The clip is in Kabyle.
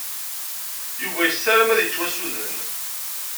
Yuba yessarem ad yettwassuden.